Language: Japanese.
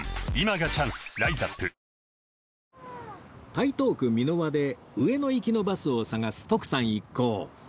台東区三ノ輪で上野行きのバスを探す徳さん一行